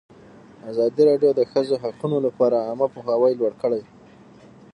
ازادي راډیو د د ښځو حقونه لپاره عامه پوهاوي لوړ کړی.